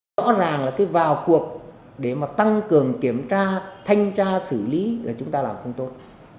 rõ ràng là cái vào cuộc để mà tăng cường kiểm tra thanh tra xử lý là chúng ta làm không tốt